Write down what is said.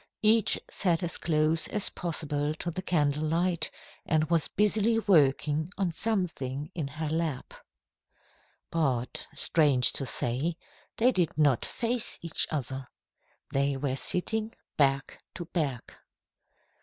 Each sat as close as possible to the candle light, and was busily working on something in her lap. But, strange to say, they did not face each other. They were sitting back to back.